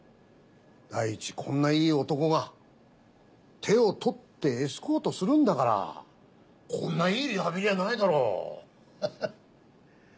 第一こんないい男が手を取ってエスコートするんだからこんないいリハビリはないだろう。